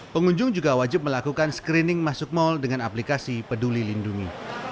pengunjung juga wajib melakukan screening masuk mal dengan aplikasi peduli lindungi